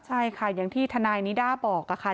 ใช่ค่ะอย่างที่ทนายนิด้าบอกค่ะ